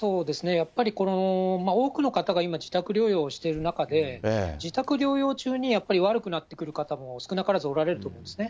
やっぱり多くの方が今、自宅療養をしている中で、自宅療養中に悪くなってくる方も少なからずおられると思うんですね。